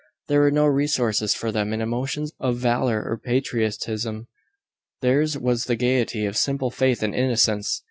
There were no resources for them in emotions of valour or patriotism. Theirs was the gaiety of simple faith and innocence.